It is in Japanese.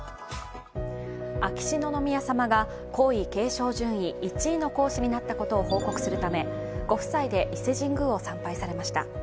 秋篠宮さまが、皇位継承順位１位の皇嗣になったことを報告するためご夫妻で伊勢神宮を参拝されました。